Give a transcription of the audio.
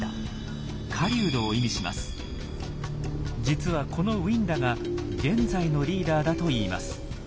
実はこのウィンダが現在のリーダーだといいます。